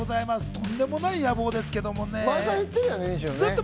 とんでもない野望ですけどね。